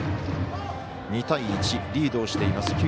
２対１、リードしています